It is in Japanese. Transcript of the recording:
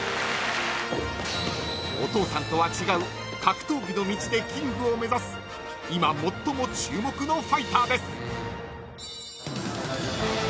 ［お父さんとは違う格闘技の道でキングを目指す今最も注目のファイターです］